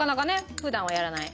普段はやらない。